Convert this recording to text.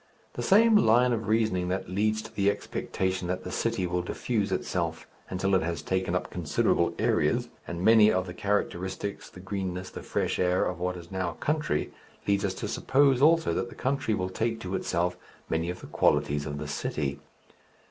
The same line of reasoning that leads to the expectation that the city will diffuse itself until it has taken up considerable areas and many of the characteristics, the greenness, the fresh air, of what is now country, leads us to suppose also that the country will take to itself many of the qualities of the city.